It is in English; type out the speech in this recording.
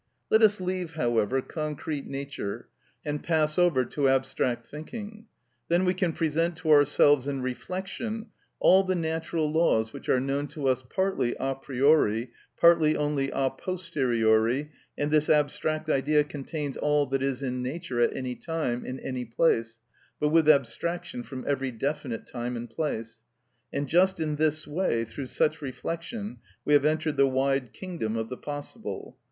Let us leave, however, concrete nature and pass over to abstract thinking; then we can present to ourselves in reflection all the natural laws which are known to us partly a priori, partly only a posteriori, and this abstract idea contains all that is in nature at any time, in any place, but with abstraction from every definite time and place; and just in this way, through such reflection, we have entered the wide kingdom of the possible.